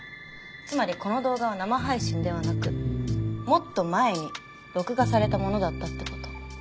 つまりこの動画は生配信ではなくもっと前に録画されたものだったって事。